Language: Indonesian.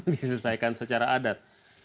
disesaikan secara adat